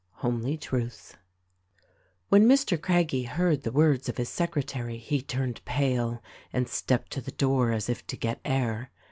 — Homely Truths. When Mr. Craggie heard the words of his secretary he turned pale and stepped to the door as if to get air.